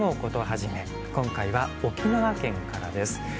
今回は沖縄県からです。